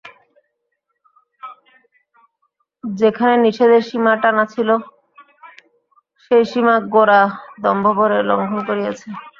যেখানে নিষেধের সীমা টানা ছিল সেই সীমা গোরা দম্ভভরে লঙ্ঘন করিয়াছে।